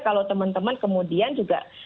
kalau teman teman kemudian juga